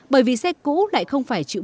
bởi vì xe cũ lại không phải chữ mô